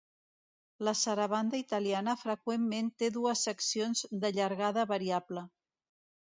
La sarabanda italiana freqüentment té dues seccions de llargada variable.